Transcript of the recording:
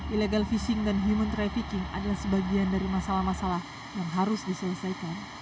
illegal fishing dan human trafficking adalah sebagian dari masalah masalah yang harus diselesaikan